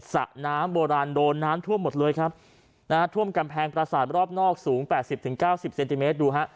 สระน้ำโบราณโดนน้ำท่วมหมดเลยครับนะฮะท่วมกำแพงประสาทรอบนอกสูง๘๐๙๐เซนติเมตรดูฮะ